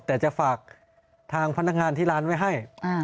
แต่จะฝากทางพนักงานที่ร้านไว้ให้